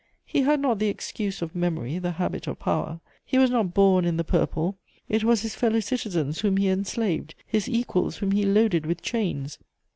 He had not the excuse of memory, the habit of power; he was not born in the purple. It was his fellow citizens whom he enslaved, his equals whom he loaded with chains.